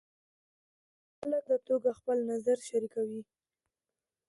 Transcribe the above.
خلک په ازاده توګه خپل نظر شریکوي.